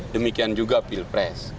demikian juga pilpres